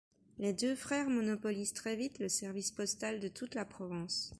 Les deux frères monopolisent très vite le service postal de toute la Provence.